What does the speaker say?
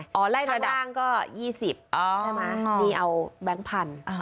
อ๋อไล่ระดับข้างล่างก็๒๐นี่เอาแบงค์พัน